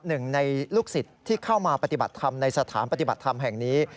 หนึ่งในลูกศิษย์ที่เข้ามาปฏิบัติธรรมในสถานปฏิบัติธรรมแห่งนี้